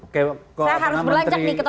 saya harus berlanjut nih ke topis menurut saya